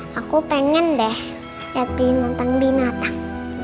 ma aku pengen deh liat binatang binatang